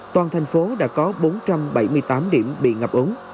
toàn thành phố đã có bốn trăm bảy mươi tám điểm bị ngập ống